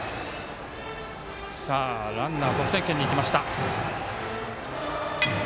ランナー、得点圏にいきました。